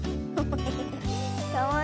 かわいい。